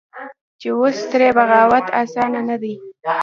چې اوس ترې بغاوت اسانه نه دى.